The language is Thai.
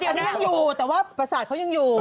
อันนี้ยังอยู่แต่ว่าประสาทเขายังอยู่